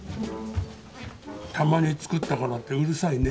たまに作ったからってうるさいね。